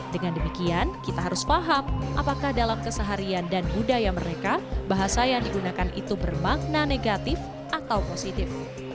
dengan demikian kita harus paham apakah dalam keseharian dan budaya mereka bahasa yang digunakan itu bermakna negatif atau positif